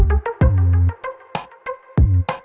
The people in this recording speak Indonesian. lo berdua ntar